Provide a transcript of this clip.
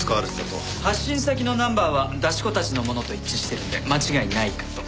発信先のナンバーは出し子たちのものと一致してるんで間違いないかと。